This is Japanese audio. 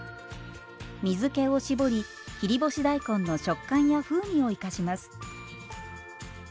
水けをしぼり切り干し大根の食感や風味を生かします。